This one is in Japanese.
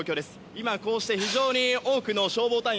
今、こうして非常に多くの消防隊員。